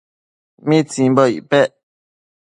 ¿mitsimbo icpec